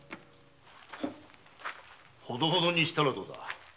ほどほどにしたらどうだ。